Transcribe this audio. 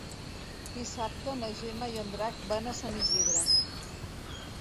Dissabte na Gemma i en Drac van a Sant Isidre.